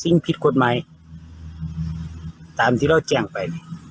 จึงพิธีความใหม่ตามที่เราแจ้งไป